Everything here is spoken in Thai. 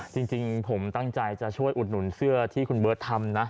จริงผมตั้งใจจะช่วยอุดหนุนเสื้อที่คุณเบิร์ตทำนะ